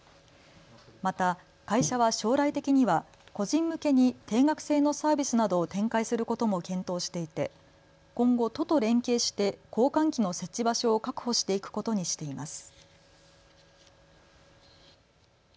また会社は将来的には個人向けに定額制のサービスなどを展開することも検討していて今後、都と連携して交換機の設置場所を確保していくことにしています。